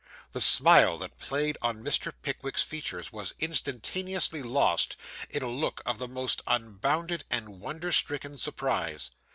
The smile that played on Mr. Pickwick's features was instantaneously lost in a look of the most unbounded and wonder stricken surprise.